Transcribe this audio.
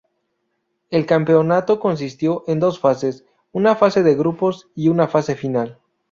El Campeonato consistió en dos Fases: Una Fase de Grupos y una Fase Final.